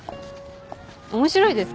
面白いですか？